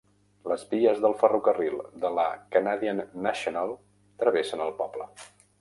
Les vies del ferrocarril de la Canadian National travessen el poble.